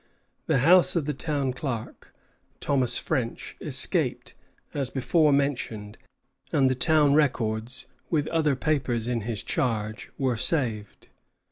The house of the town clerk, Thomas French, escaped, as before mentioned, and the town records, with other papers in his charge, were saved.